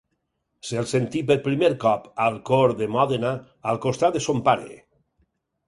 Se'l sentí per primer cop al cor de Mòdena al costat de son pare.